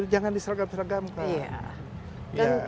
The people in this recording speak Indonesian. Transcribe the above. jangan disergam sergam kan